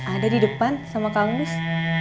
ada di depan sama kang nus